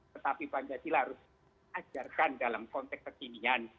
tetapi pancasila harus diajarkan dalam konteks kekinian